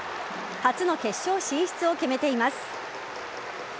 初の決勝進出を決めています。